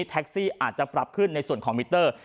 แท็กซี่อาจจะปรับขึ้นในส่วนของมิเตอร์